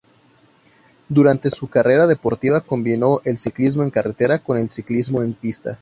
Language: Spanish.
Durante su carrera deportiva combinó el ciclismo en carretera con el ciclismo en pista.